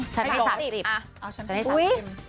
ฉันให้๓๐